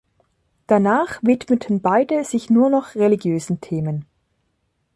Danach widmeten beide sich nur noch religiösen Themen.